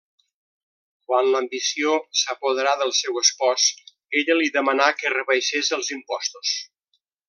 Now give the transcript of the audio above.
Quan l'ambició s'apoderà del seu espòs, ella li demanà que rebaixés els impostos.